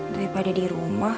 daripada di rumah